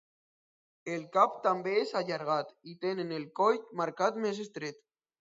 El cap també és allargat, i tenen el coll marcat més estret.